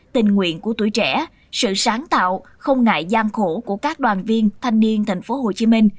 tình nguyện của tuổi trẻ sự sáng tạo không ngại gian khổ của các đoàn viên thanh niên tp hcm